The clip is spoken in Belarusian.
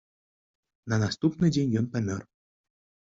На наступны дзень ён памёр.